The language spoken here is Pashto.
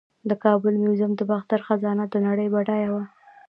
د کابل میوزیم د باختر خزانه د نړۍ بډایه وه